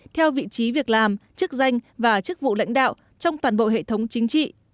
theo vị trí việc làm chức danh và chức vụ lãnh đạo trong toàn bộ hệ thống chính trị